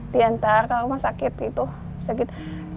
di antar ke rumah sakit